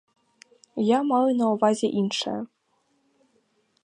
Я маю на ўвазе іншае.